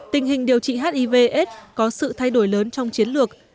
tình hình điều trị hiv aids có sự thay đổi lớn trong chiến lược